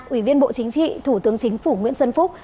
ủy viên bộ chính trị thủ tướng chính phủ nguyễn xuân phúc